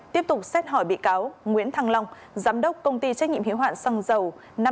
tiếp tục xét hỏi bị cáo nguyễn thăng long giám đốc công ty trách nhiệm hiếu hoạn xăng dầu năm mươi năm nghìn năm trăm năm mươi năm